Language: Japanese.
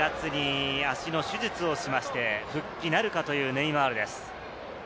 ２月に足の手術をして復帰戦なるかというネイマールです。